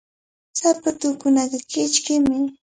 Sapatuukunaqa kichkimi.